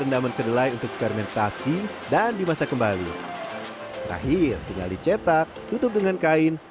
rendaman kedelai untuk fermentasi dan dimasak kembali terakhir tinggal dicetak tutup dengan kain